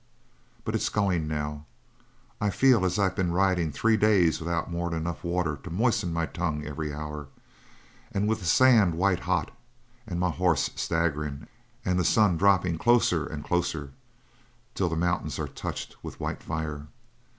"But it's going now. I feel as if I'd been riding three days without more'n enough water to moisten my tongue every hour; with the sand white hot, and my hoss staggerin', and the sun droppin' closer and closer till the mountains are touched with white fire.